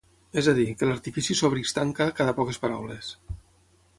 És a dir, que l'artifici s'obre i es tanca cada poques paraules.